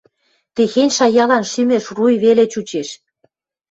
Техень шаялан шӱмеш руй веле чучеш...